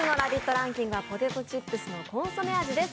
ランキングはポテトチップスのコンソメ味です。